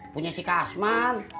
punya si kasman